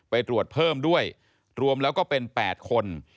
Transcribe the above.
ไปตรวจเพิ่มด้วยรวมแล้วก็เป็น๘คน